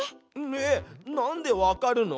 えっなんでわかるの？